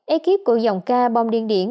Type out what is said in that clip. ekip của dòng ca bong điên điển